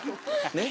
ねっ。